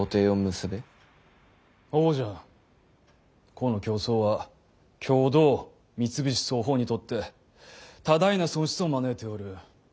この競争は共同三菱双方にとって多大な損失を招いておる。